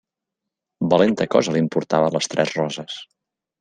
Valenta cosa li importava Les Tres Roses!